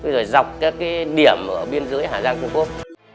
rồi dọc các cái điểm ở biên giới hà giang trung quốc